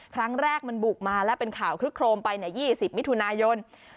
ครั้งแรกมันบุกมาและเป็นข่าวคลึกโครมไป๒๐มิถุนายน